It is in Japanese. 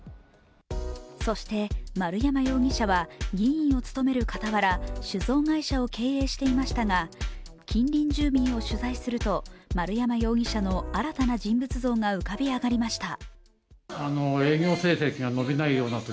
そして丸山容疑者は議員を務めるかたわら、酒造会社を経営していましたが近隣住民を取材すると、丸山容疑者の新たな人物像が浮かび上がりました。